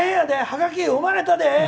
ハガキ読まれたで！